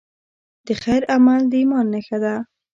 د خیر عمل د ایمان نښه ده.